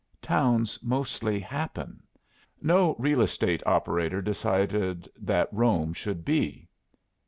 Towns mostly happen. No real estate operator decided that Rome should be.